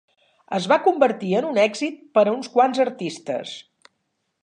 Es va convertir en un èxit per a uns quants artistes.